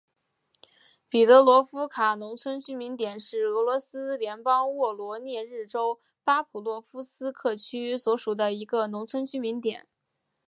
彼得罗夫卡农村居民点是俄罗斯联邦沃罗涅日州巴甫洛夫斯克区所属的一个农村居民点。